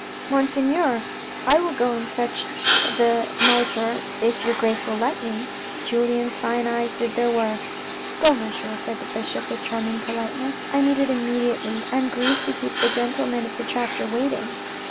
" Monseigneur, I will go and fetch the mitre if your grace will let me." Julien's fine eyes did their work. " Go, Monsieur," answered the bishop, with charming polite ness. " I need it immediately. I am grieved to keep the gentlemen of the chapter waiting."